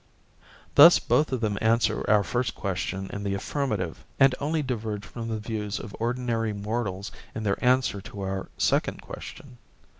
Thus both of them answer our first question in the affirmative, and only diverge from the views of ordinary mortals in their answer to our second question.